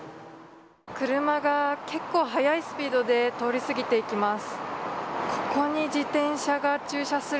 車が結構、速いスピードで通り過ぎていきます。